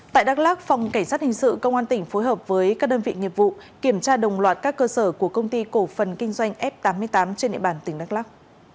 tại đắk lắc phòng cảnh sát hình sự công an tỉnh phối hợp với các đơn vị nghiệp vụ kiểm tra đồng loạt các cơ sở của công ty cổ phần kinh doanh f tám mươi tám trên địa bàn tỉnh đắk lắc